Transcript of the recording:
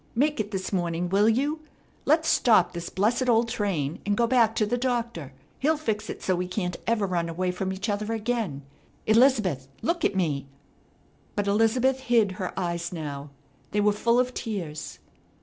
Make it this morning, will you? Let's stop this blessed old train and go back to the Doctor. He'll fix it so we can't ever run away from each other again. Elizabeth, look at me!" But Elizabeth hid her eyes now. They were full of tears.